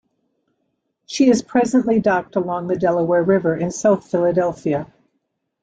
She is presently docked along the Delaware River in South Philadelphia.